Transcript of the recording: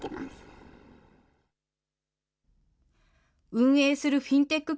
運営するフィンテック